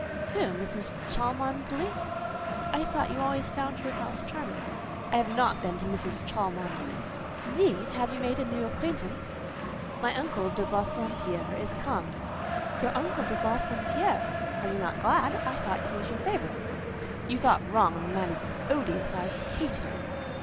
"Who? Mrs. Cholmondeley? I thought you always found her house charming?" "I have not been to Mrs. Cholmondeley's." "Indeed! Have you made new acquaintance?" "My uncle de Bassompierre is come." "Your uncle de Bassompierre! Are you not glad?—I thought he was a favourite." "You thought wrong: the man is odious; I hate him."